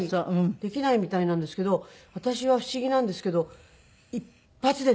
できないみたいなんですけど私は不思議なんですけど一発でできたんですよ。